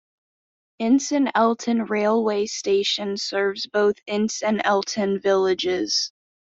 Ince and Elton railway station serves both Ince and Elton villages.